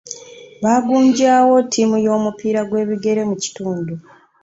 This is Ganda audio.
Baagunjaawo ttiimu y'omupiira gw'ebigere mu kitundu.